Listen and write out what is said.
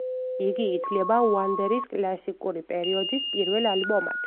იგი ითვლება უანდერის „კლასიკური პერიოდის“ პირველ ალბომად.